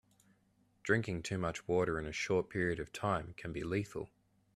Drinking too much water in a short period of time can be lethal.